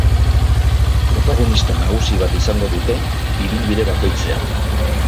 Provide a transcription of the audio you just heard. Protagonista nagusi bat izango dute ibilbide bakoitzean.